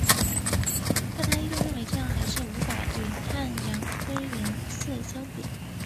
但她依旧认为这样还是无法与汉阳归元寺相比。